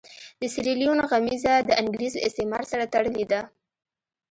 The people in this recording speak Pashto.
د سیریلیون غمیزه د انګرېز له استعمار سره تړلې ده.